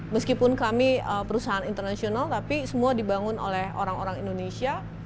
meskipun kami perusahaan internasional tapi semua dibangun oleh orang orang indonesia